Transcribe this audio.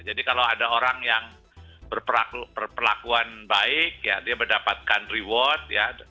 kalau ada orang yang berperlakuan baik ya dia mendapatkan reward ya